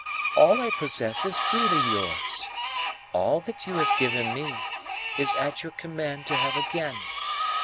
All I possess is freely yours. All that you have given me, is at your command to have again.